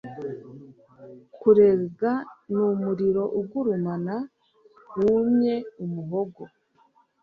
Kurega numuriro ugurumana wumye umuhogo